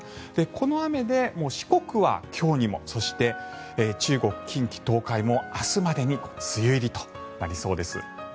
この雨で四国は今日にもそして、中国、近畿、東海も明日までに梅雨入りとなりそうです。